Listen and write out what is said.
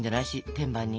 天板に。